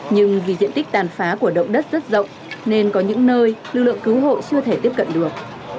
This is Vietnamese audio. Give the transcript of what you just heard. nhưng vì diện tích tàn phá của động đất rất rộng nên có những nơi lực lượng cứu hộ chưa thể tiếp cận được